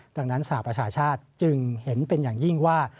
ดังนั้นสหประชาชาติจึงเห็นเป็นอย่างยิ่งว่า